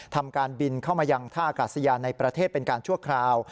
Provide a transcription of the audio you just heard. ทำการบินเข้ามายังท่าอากาศยานในประเทศเป็นการชั่วคราว